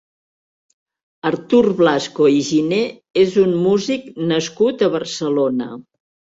Artur Blasco i Giné és un músic nascut a Barcelona.